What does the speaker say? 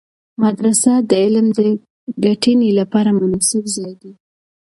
مدرسه د علم د ګټنې لپاره مناسب ځای دی.